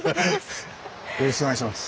よろしくお願いします。